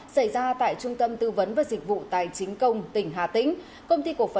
xảy ra tại trung tâm tư